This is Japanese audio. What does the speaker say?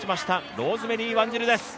ローズメリー・ワンジルです。